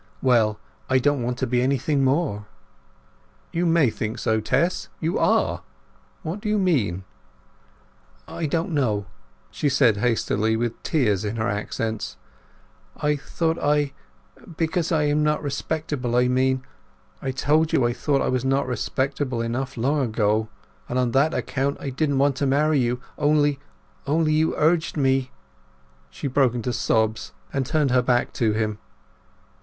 Well, I don't want to be anything more." "You may think so, Tess! You are. What do you mean?" "I don't know," she said hastily, with tears in her accents. "I thought I—because I am not respectable, I mean. I told you I thought I was not respectable enough long ago—and on that account I didn't want to marry you, only—only you urged me!" She broke into sobs, and turned her back to him.